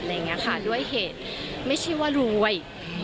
อะไรอย่างนี้ค่ะด้วยเหตุไม่ใช่ว่ารวย